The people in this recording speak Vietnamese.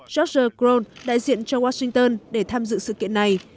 george cron đại diện cho washington để tham dự sự kiện này